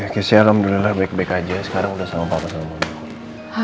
ya saya alhamdulillah baik baik aja sekarang udah sama papa sama mama